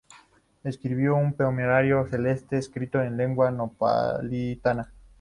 Escribió un poemario, "Celeste", escrito en lengua napolitana.